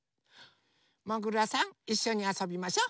もぐらさんいっしょにあそびましょ。